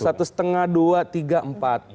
satu setengah dua tiga empat